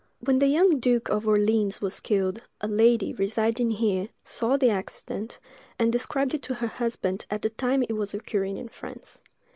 When the young duke of Orleans was killed, a lady, residing here, saw the accident, and described it to her husband at the time it was occurring in France.